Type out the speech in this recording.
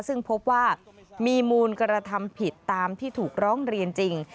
ซึ่งพบว่ามีมูลกระทำผิดตามที่ถูกร้องเรียนจริง